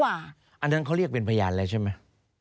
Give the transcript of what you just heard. อันนั้นเขาเรียกเป็นพยานแล้วใช่ไหม